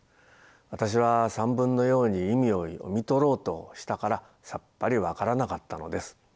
私は散文のように意味を読み取ろうとしたからさっぱり分からなかったのです。